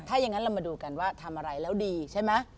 ถ้าอย่างนั้นเรามาดูกันว่าทำอะไรแล้วดีใช่ไหม